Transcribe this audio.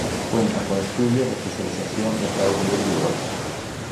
Cuenta con estudios de especialización en Estados Unidos y Europa.